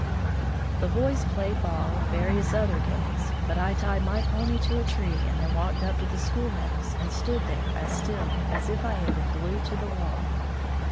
The boys played ball and various other games, but I tied my pony to a tree and then walked up to the schoolhouse and stood there as still as if I had been glued to the wall.